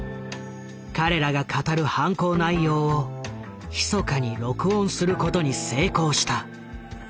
彼らが語る犯行内容をひそかに録音することに成功した。